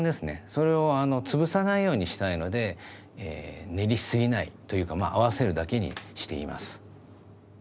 それを潰さないようにしたいので練りすぎないというかまあ合わせるだけにしています。